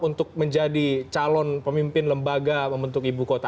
untuk menjadi calon pemimpin lembaga pembentuk ibu kota